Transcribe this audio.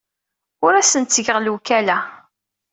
Ur asen-d-ttgeɣ lewkala.